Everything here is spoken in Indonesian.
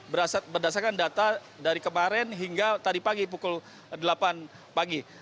berdasarkan data dari kemarin hingga tadi pagi pukul delapan pagi